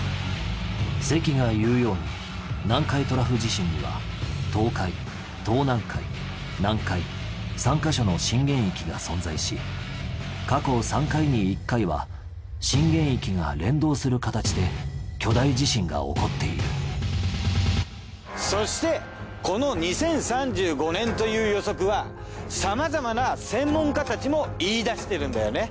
関が言うように南海トラフ地震には東海東南海南海３か所の震源域が存在し過去３回に１回は震源域が連動する形で巨大地震が起こっているそしてこの２０３５年という予測はさまざまな専門家たちも言いだしてるんだよね。